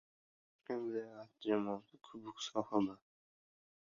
Toshkent viloyati jamoasi kubok sohibi